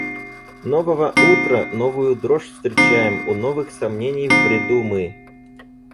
Нового утра новую дрожь встречаем у новых сомнений в бреду мы.